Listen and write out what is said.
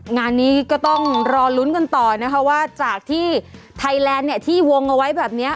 งานนี้ก็ต้องรอลุ้นกันต่อนะคะว่าจากที่ไทยแลนด์เนี่ยที่วงเอาไว้แบบนี้